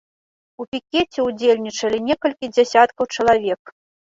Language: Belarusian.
У пікеце ўдзельнічалі некалькі дзясяткаў чалавек.